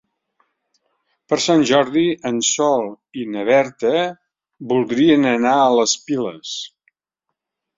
Per Sant Jordi en Sol i na Berta voldrien anar a les Piles.